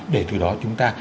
để từ đó chúng ta